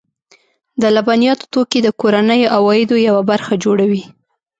د لبنیاتو توکي د کورنیو عوایدو یوه برخه جوړوي.